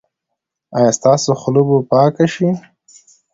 ایا ستاسو خوله به پاکه شي؟